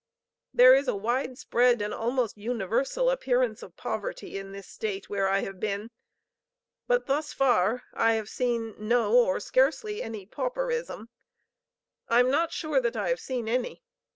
There is a wide spread and almost universal appearance of poverty in this State where I have been, but thus far I have seen no, or scarcely any, pauperism. I am not sure that I have seen any.